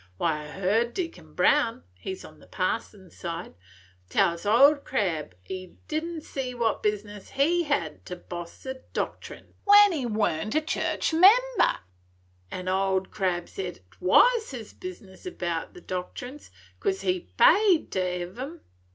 Why, I heard Deacon Brown (he 's on the parson's side) tellin' Old Crab he did n't see what business he had to boss the doctrines, when he warn't a church member, and Old Crab said it was his bisness about the doctrines, 'cause he paid to hev 'em.